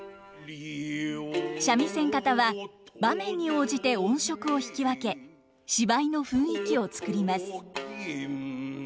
三味線方は場面に応じて音色を弾き分け芝居の雰囲気を作ります。